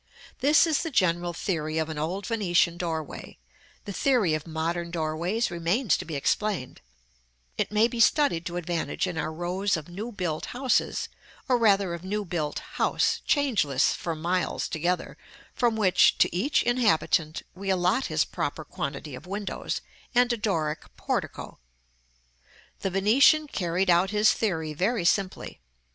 This is the general theory of an old Venetian doorway; the theory of modern doorways remains to be explained: it may be studied to advantage in our rows of new built houses, or rather of new built house, changeless for miles together, from which, to each inhabitant, we allot his proper quantity of windows, and a Doric portico. The Venetian carried out his theory very simply.